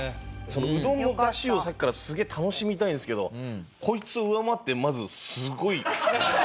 そのうどんの出汁をさっきからすげえ楽しみたいんですけどこいつを上回ってまずすごい。